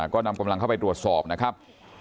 ก็นำกำลังเข้าไปตรวจสอบนะครับ